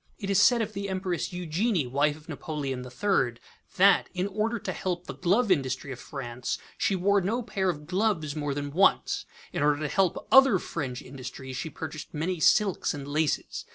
It is said of the Empress Eugenie, wife of Napoleon III, that, in order to help the glove industry of France, she wore no pair of gloves more than once; in order to help other French industries, she purchased many silks and laces.